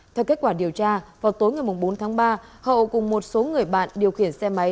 theo kết quả điều tra vào tối ngày bốn tháng ba hậu cùng một số người bạn điều khiển xe máy